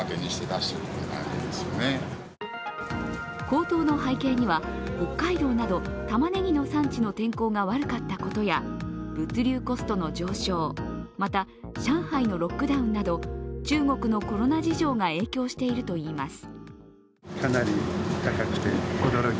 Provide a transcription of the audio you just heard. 高騰の背景には北海道などたまねぎの産地の天候が悪かったことや物流コストの上昇、また上海のロックダウンなど中国のコロナ事情が影響しているといいます。